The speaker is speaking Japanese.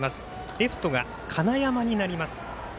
レフトが金山になります。